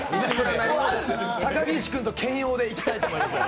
高岸君と兼用でやっていきたいと思います。